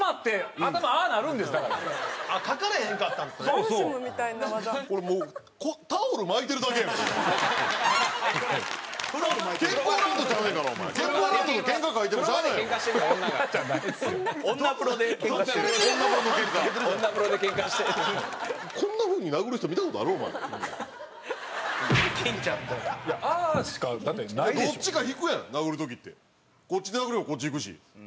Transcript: こっちで殴ればこっち引くし。